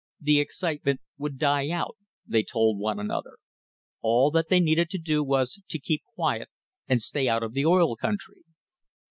The excitement would die out, they told one another. All that they needed to do was to keep quiet and stay out of the oil country.